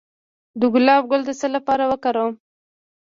د ګلاب ګل د څه لپاره وکاروم؟